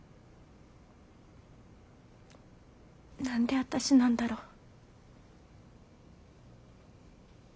何で私なんだろ。